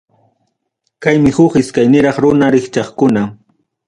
Kaymi huk iskayniraq runa rikchaqkuna.